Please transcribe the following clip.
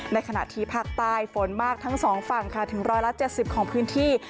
ในขณะที่ภาคใต้ฝนมากทั้งสองฝั่งค่ะถึงร้อยละเจ็ดสิบของพื้นที่